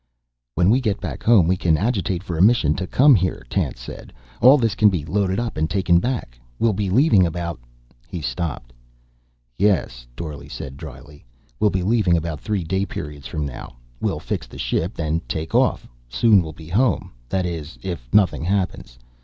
"When we get back home we can agitate for a mission to come here," Tance said. "All this can be loaded up and taken back. We'll be leaving about " He stopped. "Yes," Dorle said dryly. "We'll be leaving about three day periods from now. We'll fix the ship, then take off. Soon we'll be home, that is, if nothing happens.